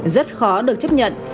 rất khó được chấp nhận